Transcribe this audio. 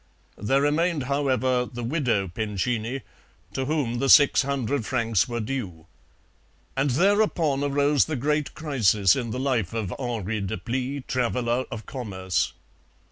There remained, however, the widow Pincini, to whom the six hundred francs were due. And thereupon arose the great crisis in the life of Henri Deplis, traveller of commerce.